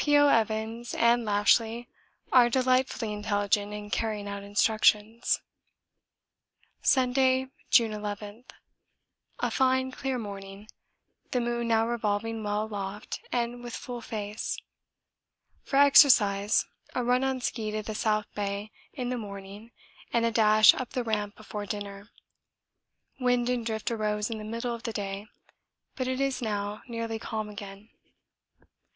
O. Evans and Lashly are delightfully intelligent in carrying out instructions. Sunday, June 11. A fine clear morning, the moon now revolving well aloft and with full face. For exercise a run on ski to the South Bay in the morning and a dash up the Ramp before dinner. Wind and drift arose in the middle of the day, but it is now nearly calm again.